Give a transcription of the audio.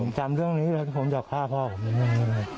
ผมจำเรื่องนี้แล้วที่ผมอยากฆ่าพ่อผมอย่างนี้